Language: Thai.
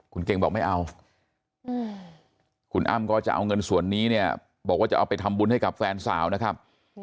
คุณเก่งบอกไม่เอาคุณอ้ำก็จะเอาเงินส่วนนี้เนี่ยบอกว่าจะเอาไปทำบุญให้กับแฟนสาวนะครับ